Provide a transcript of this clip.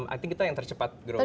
i think kita yang tercepat growth nya